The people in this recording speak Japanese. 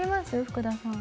福田さん。